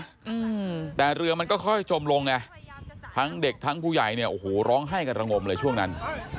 อืมแต่เรือมันก็ค่อยจมลงไงทั้งเด็กทั้งผู้ใหญ่เนี่ยโอ้โหร้องไห้กันระงมเลยช่วงนั้น